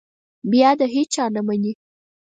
بیا د هېچا نه مني.